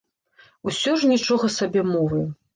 Усё ж нічога сабе мовы.